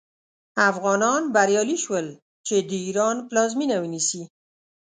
افغانان بریالي شول چې د ایران پلازمینه ونیسي.